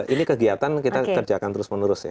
ini kegiatan kita kerjakan terus menerus ya